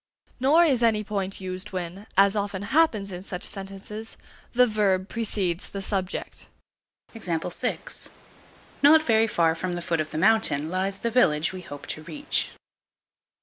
Nor is any point used when, as often happens in such sentences, the verb precedes the subject. Not very far from the foot of the mountain lies the village we hope to reach.